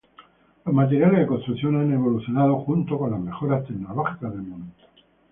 Los materiales de construcción han evolucionado junto con las mejoras tecnológicas del momento.